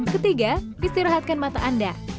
ketiga istirahatkan mata anda